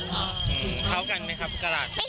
เท่ากันไหมครับกราศ